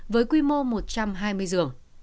với quy mô một trăm hai mươi giường